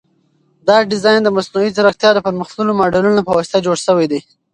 دا ډیزاین د مصنوعي ځیرکتیا د پرمختللو ماډلونو په واسطه جوړ شوی دی.